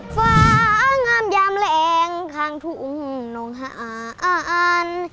ฟ้างามยามแรงข้างทุ่งน้องหาอ่าน